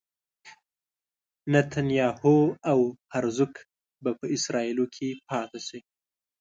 نتنیاهو او هرزوګ به په اسرائیلو کې پاتې شي.